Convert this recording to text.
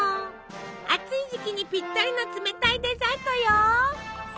暑い時期にぴったりの冷たいデザートよ。